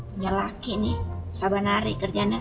punya laki nih sabar nari kerjanya